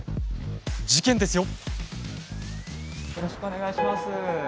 事件ですよ。